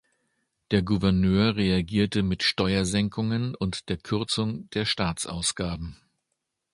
Der Gouverneur reagierte mit Steuersenkungen und der Kürzung der Staatsausgaben.